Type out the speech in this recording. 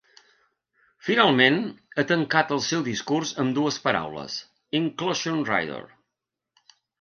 Finalment ha tancat el seu discurs amb dues paraules: Inclusion rider.